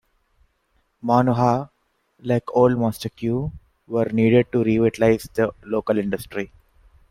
Manhua like "Old Master Q" were needed to revitalize the local industry.